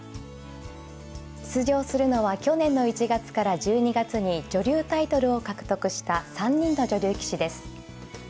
出場するのは去年の１月から１２月に女流タイトルを獲得した３人の女流棋士です。